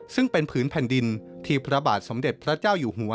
ซึ่งเป็นผืนแผ่นดินที่พระบาทสมเด็จพระเจ้าอยู่หัว